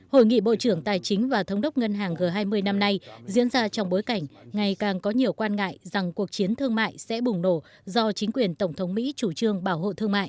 hội nghị bộ trưởng tài chính và thống đốc ngân hàng g hai mươi năm nay diễn ra trong bối cảnh ngày càng có nhiều quan ngại rằng cuộc chiến thương mại sẽ bùng nổ do chính quyền tổng thống mỹ chủ trương bảo hộ thương mại